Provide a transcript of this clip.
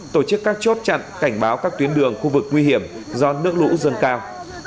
tổ chức các chốt chặn cảnh báo các tuyến đường khu vực nguy hiểm do nước lũ dâng cao